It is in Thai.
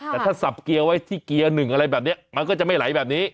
แต่ถ้าสับเกียร์ไว้ที่เกียร์หนึ่งอะไรแบบนี้มันก็จะไม่ไหลแบบนี้